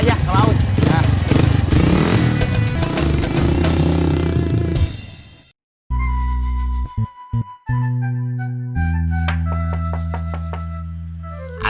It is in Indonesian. jalan dulu ya